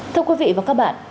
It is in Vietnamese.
thưa quý vị và các bạn